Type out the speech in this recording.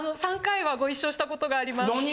３回はご一緒したことがあります。